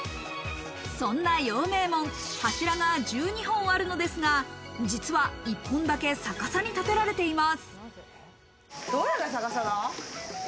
そんな陽明門、柱が１２本あるのですが、実は１本だけ逆さに建てられています。